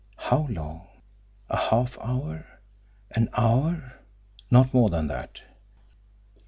How long? A half hour an hour? Not more than that!